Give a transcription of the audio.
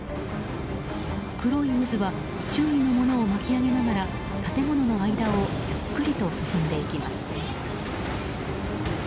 黒い渦は周囲のものを巻き上げながら建物の間をゆっくりと進んでいきます。